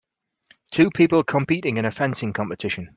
Two people competing in a fencing competition.